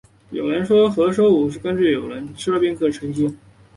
有人说，何首乌根是有像人形的，吃了便可以成仙